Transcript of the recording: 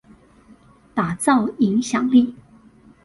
打造影響力